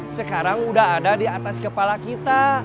sekarang udah ada di atas kepala kita